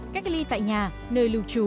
cách ly tại nhà nơi lưu trú năm